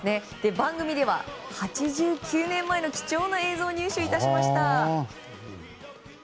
番組では８９年前の貴重な映像を入手しました。